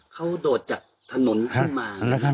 เขาโดดจากถนนขึ้นมา